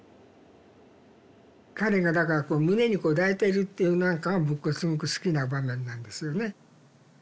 彼がだからこう胸にこう抱いてるっていうのなんかは僕はすごく好きな場面なんですよね。